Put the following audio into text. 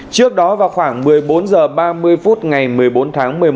trước đó vào khoảng một mươi bốn h ba mươi phút ngày một mươi bốn tháng một mươi một